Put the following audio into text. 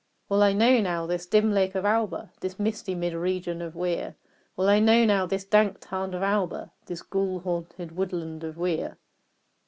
Well I know, now, this dim lake of Auber This misty mid region of Weir Well I know, now, this dank tarn of Auber, This ghoul haunted woodland of Weir."